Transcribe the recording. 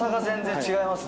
全然違う。